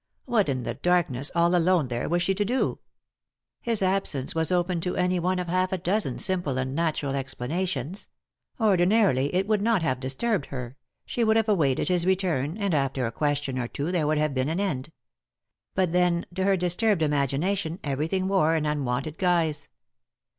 What, in the darkness, all alone there, was she to do? His absence was open to any one of half a dozen simple and natural explanations. Ordinarily it would not have disturbed her ; she would have awaited his return, and after a question or two there would have been an end. But then, to her disturbed imagination, everything wore an unwonted goise.